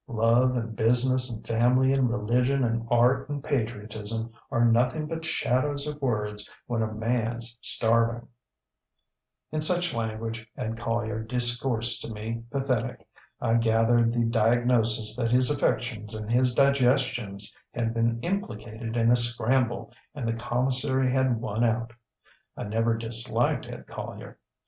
Love and business and family and religion and art and patriotism are nothing but shadows of words when a manŌĆÖs starving! ŌĆÖ ŌĆ£In such language Ed Collier discoursed to me, pathetic. I gathered the diagnosis that his affections and his digestions had been implicated in a scramble and the commissary had won out. I never disliked Ed Collier.